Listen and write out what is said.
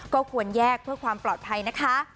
ก็ควรแยกเพื่อความปลอดภัยนะคะ